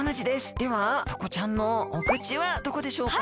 ではタコちゃんのお口はどこでしょうか？